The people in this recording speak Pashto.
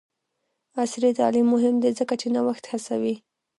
عصري تعلیم مهم دی ځکه چې نوښت هڅوي.